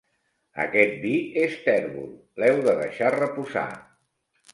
Aquest vi és tèrbol: l'heu de deixar reposar.